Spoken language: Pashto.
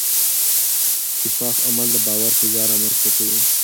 شفاف عمل د باور فضا رامنځته کوي.